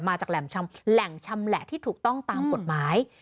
มาจากแหล่งชำแหละที่ถูกต้องตามกฎหมาย